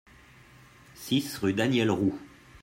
six rue Daniel Roux